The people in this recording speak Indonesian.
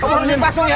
kamu harus dipasung ya